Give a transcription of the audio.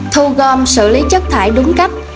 thu gom xử lý chất thải đúng cách